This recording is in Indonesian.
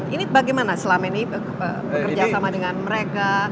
ini bagaimana selama ini kerjasama dengan mereka